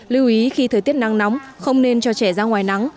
lưu ý khi thời tiết nắng nóng không nên cho trẻ ra ngoài nắng